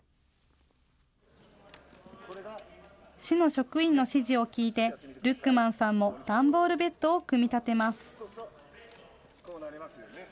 市の職員の指示を聞いて、ルックマンさんも段ボールベッドを組み立てます。